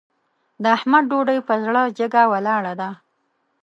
د احمد ډوډۍ پر زړه جګه ولاړه ده.